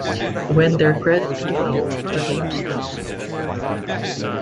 When their credit ran out, the game stopped.